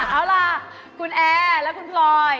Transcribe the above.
เอาล่ะคุณแอร์และคุณพลอย